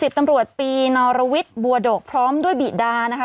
ตำรวจปีนอรวิทย์บัวโดกพร้อมด้วยบิดานะคะ